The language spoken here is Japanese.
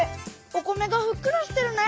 お米がふっくらしてるね。